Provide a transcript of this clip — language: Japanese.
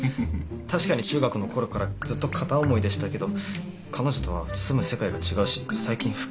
確かに中学のころからずっと片思いでしたけど彼女とは住む世界が違うし最近吹っ切りました。